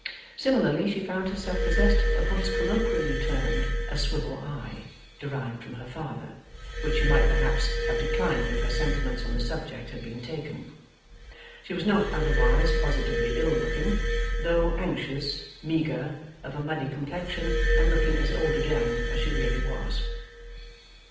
Similarly, she found herself possessed of what is colloquially termed a swivel eye (derived from her father), which she might perhaps have declined if her sentiments on the subject had been taken. She was not otherwise positively ill looking, though anxious, meagre, of a muddy complexion, and looking as old again as she really was.